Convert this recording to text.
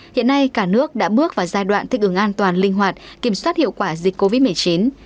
hiện nay cả nước đã bước vào giai đoạn thích ứng an toàn linh hoạt kiểm soát hiệu quả dịch covid một mươi chín